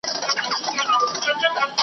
که خدای فارغ کړاست له مُلایانو .